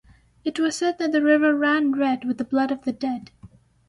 It was said that the river ran red with the blood of the dead.